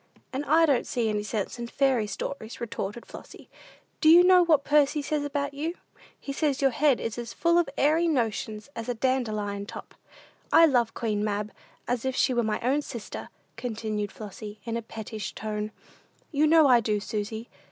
"And I don't see any sense in fairy stories," retorted Flossy. "Do you know what Percy says about you? He says your head is as full of airy notions as a dandelion top. I love Queen Mab as if she was my own sister," continued Flossy, in a pettish tone. "You know I do, Susy.